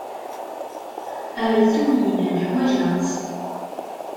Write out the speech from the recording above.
Err-d Tunhinan, ḥwajeɣ-tt.